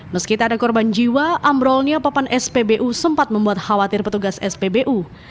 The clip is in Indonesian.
meski tak ada korban jiwa amrolnya papan spbu sempat membuat khawatir petugas spbu